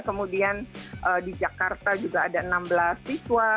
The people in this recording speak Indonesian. kemudian di jakarta juga ada enam belas siswa